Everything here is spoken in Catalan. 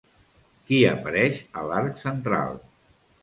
Qui apareix a l'arc central?